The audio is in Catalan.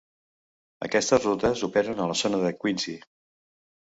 Aquestes rutes operen a la zona de Quincy.